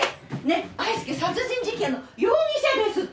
ねえ愛介殺人事件の容疑者ですって！